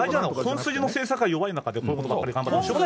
本筋の政策が弱い中でこういうことばっかり頑張ってるのは。